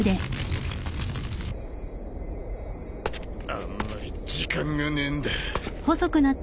あんまり時間がねえんだ。